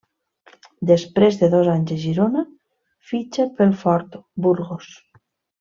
Després de dos anys a Girona fitxa pel Ford Burgos.